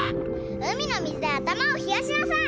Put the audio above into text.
うみのみずであたまをひやしなさい！